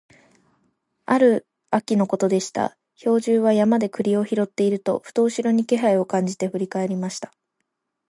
ある秋のことでした、兵十は山で栗を拾っていると、ふと後ろに気配を感じて振り返りました。